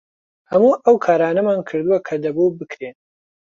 هەموو ئەو کارانەمان کردووە کە دەبوو بکرێن.